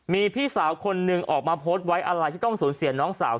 มีพี่สาวคนหนึ่งออกมาโพสต์ไว้อะไรที่ต้องสูญเสียน้องสาว